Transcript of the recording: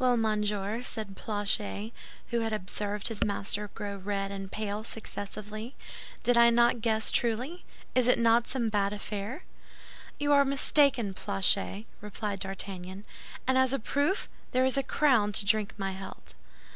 "Well, monsieur," said Planchet, who had observed his master grow red and pale successively, "did I not guess truly? Is it not some bad affair?" "You are mistaken, Planchet," replied D'Artagnan; "and as a proof, there is a crown to drink my health."